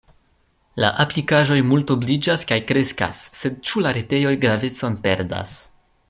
La aplikaĵoj multobliĝas kaj kreskas, sed ĉu la retejoj gravecon perdas?